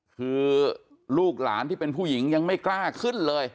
คือลูกหลานที่เป็นผู้หญิงยังไม่กล้าขึ้นเลย